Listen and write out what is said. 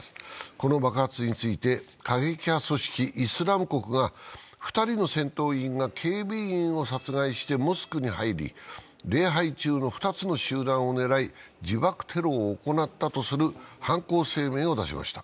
この爆発について過激派組織イスラム国が２人の戦闘員が警備員を殺害してモスクに入り、礼拝中の２つの集団を狙い自爆テロを行ったとする犯行声明を出しました。